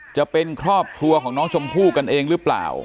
จะเป็นครอบครัวของน้องชมพู่กันเองหรือเปล่า